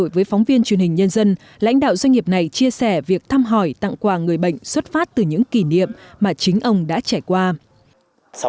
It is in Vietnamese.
với phóng viên truyền hình nhân dân lãnh đạo doanh nghiệp này chia sẻ việc thăm hỏi tặng quà người bệnh xuất phát từ những kỷ niệm mà chính ông đã trải qua